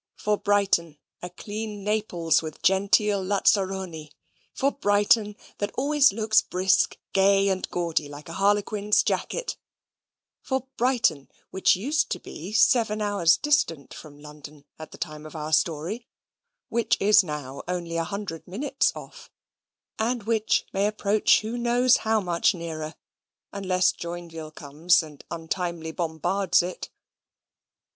for Brighton, a clean Naples with genteel lazzaroni for Brighton, that always looks brisk, gay, and gaudy, like a harlequin's jacket for Brighton, which used to be seven hours distant from London at the time of our story; which is now only a hundred minutes off; and which may approach who knows how much nearer, unless Joinville comes and untimely bombards it?